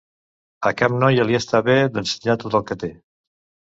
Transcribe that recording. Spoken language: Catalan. A cap noia li està bé d'ensenyar tot el que té.